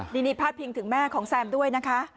นี่พาดพิงถึงแม่ของแซมด้วยนะคะ